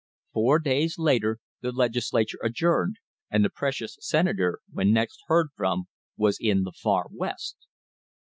Four days later the Legislature adjourned, and the precious Senator, when next heard from, was in the far West!